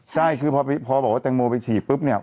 ใช่คือพอบอกว่าแตงโมไปฉี่ปุ๊บเนี่ย